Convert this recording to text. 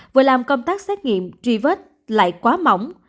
vừa làm công tác xét nghiệm truy vết lại quá mỏng